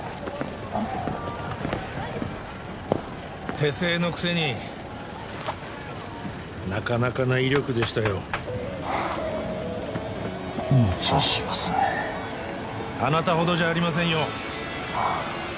手製のくせになかなかな威力でしたよむちゃしますねあなたほどじゃありませんよ